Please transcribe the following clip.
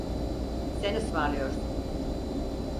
Sen ısmarlıyorsun.